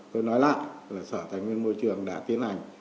tôi nói lại là sở tài nguyên môi trường đã tiến hành